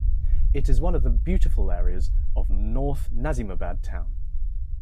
It is one of the beautiful areas of North Nazimabad Town.